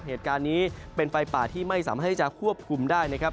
เหตุการณ์นี้เป็นไฟป่าที่ไม่สามารถที่จะควบคุมได้นะครับ